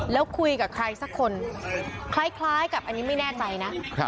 แล้วคุยกับใครสักคนคล้ายกับอันนี้ไม่แน่ใจนะ